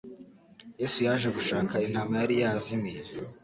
yesu yaje gushaka intama yari yazimiye